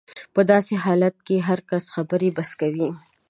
په داسې حالت کې هر کس خبرې بس کوي.